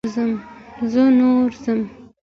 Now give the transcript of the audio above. زه نور ځم.